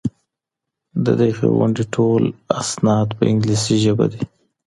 د دغي غونډې ټول اسناد په انګلیسي ژبه دي.